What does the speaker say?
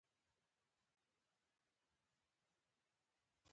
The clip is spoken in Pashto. پر دې دنیا په جنتونو کي ښاغلي ګرځي